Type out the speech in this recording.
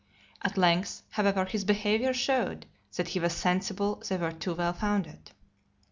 At length, however, his behaviour showed that he was sensible they were too well founded.